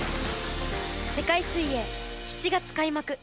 世界水泳７月開幕。